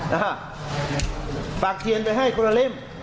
นะฮะฝากเทียนไปให้คุณละริม